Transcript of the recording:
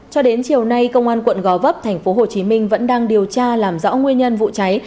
cho đến chiều nay công an quận gò vấp tp hcm vẫn đang điều tra làm rõ nguyên nhân vụ cháy